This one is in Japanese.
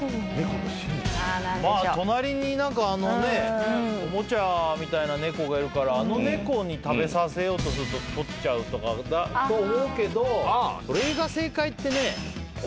隣におもちゃみたいな猫がいるからあの猫に食べさせようとすると取っちゃうとかと思うけどそれが正解ってね。